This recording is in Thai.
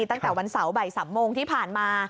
ตั้งแต่วันเสาร์บ่าย๓โมงที่ผ่านมา